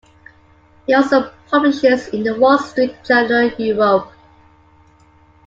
He also publishes in the "Wall Street Journal Europe".